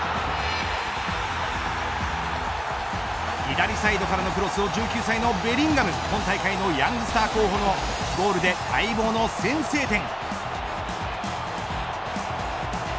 左サイドからのクロスを１９歳のベリンガム今大会のヤングスター候補のゴールで待望の先制点。